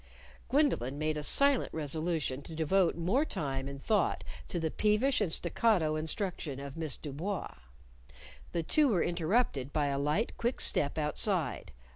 Gwendolyn made a silent resolution to devote more time and thought to the peevish and staccato instruction of Miss Du Bois. The two were interrupted by a light, quick step outside.